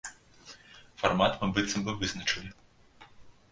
Фармат мы быццам бы вызначылі.